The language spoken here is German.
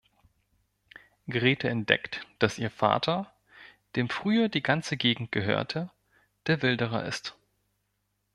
Grete entdeckt, dass ihr Vater, dem früher die ganze Gegend gehörte, der Wilderer ist.